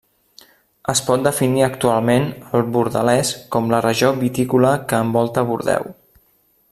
Es pot definir actualment el Bordelès com la regió vitícola que envolta Bordeu.